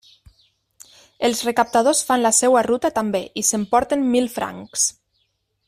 Els recaptadors fan la seua ruta també i s'emporten mil francs.